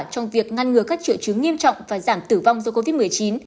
trong việc ngăn ngừa các triệu chứng nghiêm trọng và giảm tử vong do covid một mươi chín